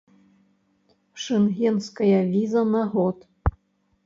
Шэнгенская віза на год.